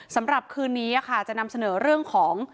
สำหรับคืนนี้จะนำเสนอเรื่องของ